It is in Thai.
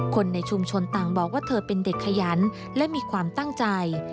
คนในชุมชนต่างบอกว่าเธอเป็นเด็กขยันและมีความตั้งใจ